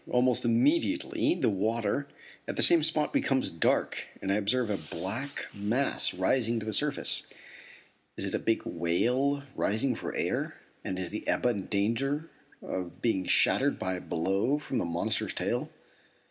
Almost immediately the water, at the same spot becomes dark and I observe a black mass rising to the surface. Is it a big whale rising for air, and is the Ebba in danger of being shattered by a blow from the monster's tail?